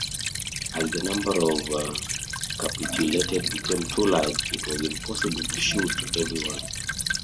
As the number of capitulated became too large, it was impossible to shoot everyone.